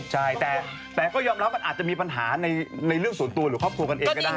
ใช่แต่ก็ยอมรับมันอาจจะมีปัญหาในเรื่องส่วนตัวหรือครอบครัวกันเองก็ได้